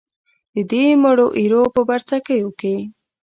د دې مړو ایرو په بڅرکیو کې.